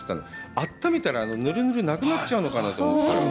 あっためたら、あのぬるぬるが、なくなっちゃうのかと思ったの。